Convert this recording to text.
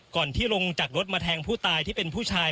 ที่ลงจากรถมาแทงผู้ตายที่เป็นผู้ชาย